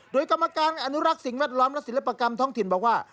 โดยกรรมการอนุรักษ์สิ่งแวดล้อมและศิลปกรรมท้องถิ่นบอกว่า